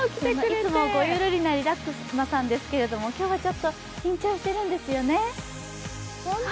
いつも、ごゆるりなリラックマさんですけど、今日はちょっと緊張してるんですよね。